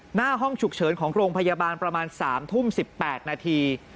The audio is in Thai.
หน้าห้องฉุกเฉินของโรงพยาบาลประมาณ๓ทุ่ม๑๘นาที